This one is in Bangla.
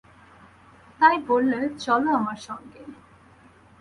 তাই বললে, চলো আমার সঙ্গে।